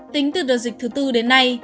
tính từ đợt dịch thứ bốn đến nay